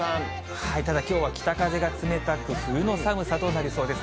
ただきょうは北風が冷たく、冬の寒さとなりそうです。